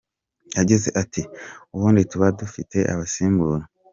Yagize ati “Ubundi tuba dufite abasimbura.